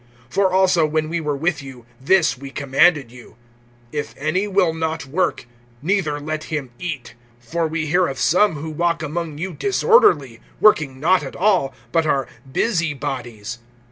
(10)For also when we were with you, this we commanded you: If any will not work, neither let him eat. (11)For we hear of some who walk among you disorderly, working not at all, but are busy bodies.